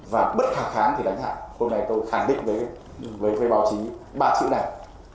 và bất khả kháng thì đánh hạn hôm nay tôi khẳng định với báo chí ba chữ này